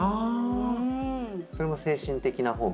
それも精神的な方。